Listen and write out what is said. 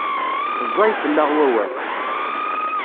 Ẓẓay fell-aɣ wawal.